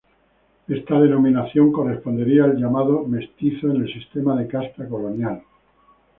Esta denominación correspondería al llamado mestizo en el sistema de castas colonial.